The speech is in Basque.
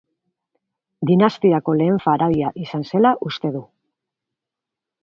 Dinastiako lehen faraoia izan zela uste du.